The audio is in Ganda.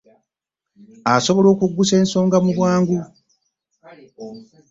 Asobola okuggusa ensonga mu bwangu.